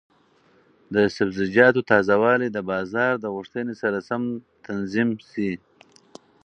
د سبزیجاتو تازه والي د بازار د غوښتنې سره سم تنظیم شي.